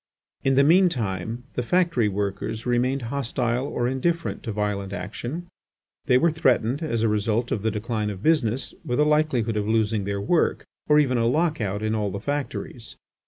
In the mean time the factory workers remained hostile or indifferent to violent action. They were threatened, as a result of the decline of business, with a likelihood of losing their work, or even a lock out in all the factories.